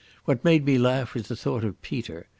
What made me laugh was the thought of Peter.